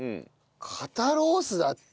肩ロースだって。